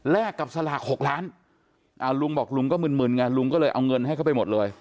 กับสลาก๖ล้านลุงบอกลุงก็มึนไงลุงก็เลยเอาเงินให้เขาไปหมดเลย